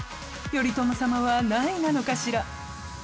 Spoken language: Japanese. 頼朝様は何位なのかしら？